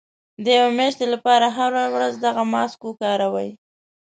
د يوې مياشتې لپاره هره ورځ دغه ماسک وکاروئ.